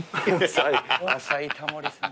浅いタモリさん。